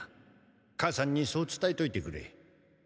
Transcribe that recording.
母さんにそう伝えといてくれ。